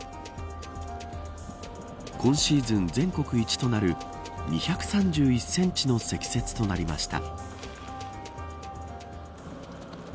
今シーズン全国一となる２３１センチの積雪となりました。